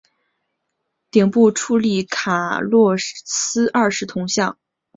顶部矗立卡洛斯二世的铜像。